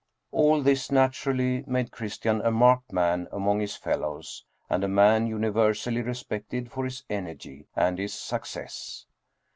All this naturally made Christian a marked man among his fellows, and a man universally respected for his energy and his success.